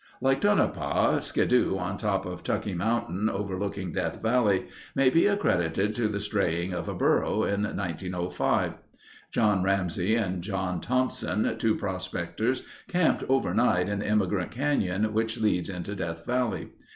Like Tonopah, Skidoo on top of Tucki Mountain overlooking Death Valley may be accredited to the straying of a burro in 1905. John Ramsey and John Thompson, two prospectors, camped overnight in Emigrant Canyon which leads into Death Valley.